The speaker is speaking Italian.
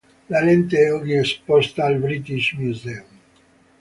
La lente è oggi esposta al British Museum.